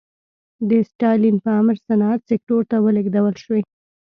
د ستالین په امر صنعت سکتور ته ولېږدول شوې.